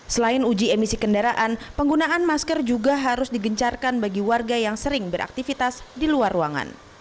selain uji emisi kendaraan penggunaan masker juga harus digencarkan bagi warga yang sering beraktivitas di luar ruangan